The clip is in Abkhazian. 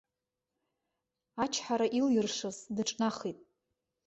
Ачҳара илиршаз дыҿнахит.